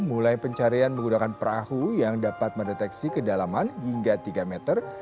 mulai pencarian menggunakan perahu yang dapat mendeteksi kedalaman hingga tiga meter